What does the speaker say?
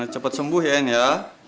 cepet sembuh ya en ya